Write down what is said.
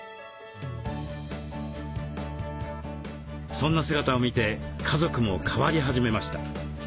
そんな姿を見て家族も変わり始めました。